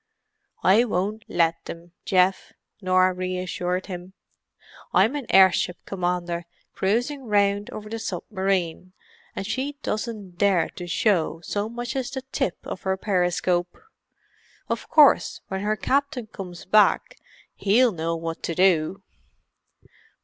"I won't let them, Geoff," Norah reassured him. "I'm an airship commander cruising round over the submarine, and she doesn't dare to show so much as the tip of her periscope. Of course, when her captain comes back, he'll know what to do!"